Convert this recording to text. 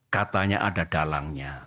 katanya ada dalangnya